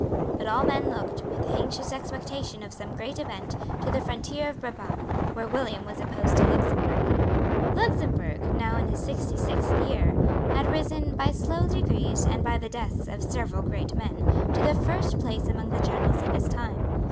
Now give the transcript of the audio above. But all men looked, with anxious expectation of some great event, to the frontier of Brabant, where William was opposed to Luxemburg. Luxemburg, now in his sixty sixth year, had risen, by slow degrees, and by the deaths of several great men, to the first place among the generals of his time.